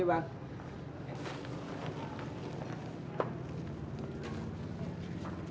ya bang disini aja bang